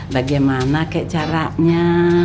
bagaimana kayak caranya